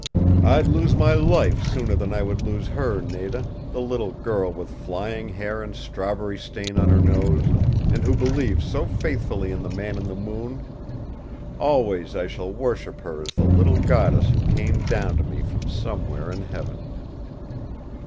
"I'd lose my life sooner than I would lose her, Nada the little girl with flying hair and strawberry stain on her nose, and who believed so faithfully in the Man in the Moon. Always I shall worship her as the little goddess who came down to me from somewhere in heaven!"